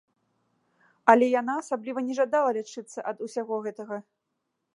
Але яна асабліва не жадала лячыцца ад усяго гэтага.